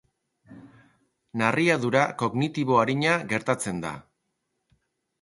Narriadura kognitibo arina gertatzen da.